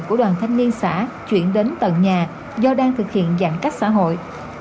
của đoàn thanh niên xã chuyển đến tầng nhà do đang thực hiện giãn cách xã hội